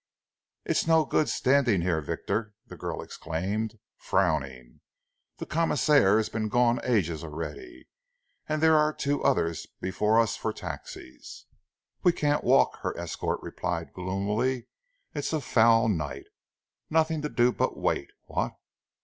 "It's no good standing here, Victor!" the girl exclaimed, frowning. "The commissionaire's been gone ages already, and there are two others before us for taxis." "We can't walk," her escort replied gloomily. "It's a foul night. Nothing to do but wait, what?